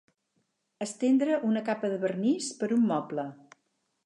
Estendre una capa de vernís per un moble.